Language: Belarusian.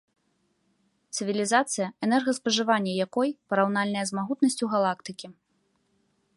Цывілізацыя, энергаспажыванне якой параўнальнае з магутнасцю галактыкі.